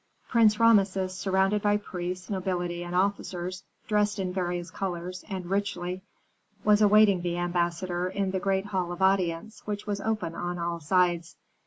Prince Rameses, surrounded by priests, nobility, and officers, dressed in various colors, and richly, was awaiting the ambassador in the great hall of audience, which was open on all sides.